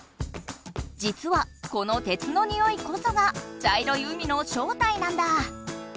じつはこの「鉄のにおい」こそが茶色い海の正体なんだ！